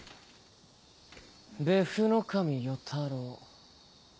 別府ノ守与太郎。